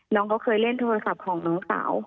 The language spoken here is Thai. น้องเขาเคยเล่นโทรศัพท์ของน้องสาว